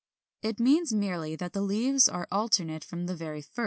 It means merely that the leaves are alternate from the very first.